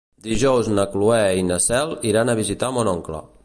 Dijous na Cloè i na Cel iran a visitar mon oncle.